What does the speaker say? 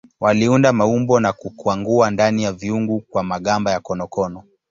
Waliunda maumbo na kukwangua ndani ya viungu kwa magamba ya konokono.